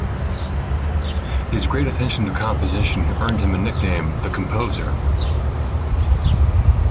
His great attention to composition earned him a nickname: "The Composer".